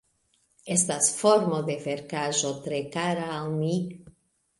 Estas formo de verkaĵo tre kara al mi.